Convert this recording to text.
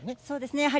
そうですね。